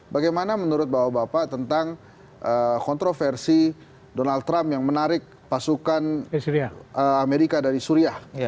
bagaimana menurut bapak tentang kontroversi donald trump yang menarik pasukan amerika dari suriah